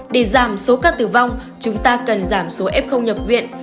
để giảm số ca tử vong chúng ta cần giảm số f nhập viện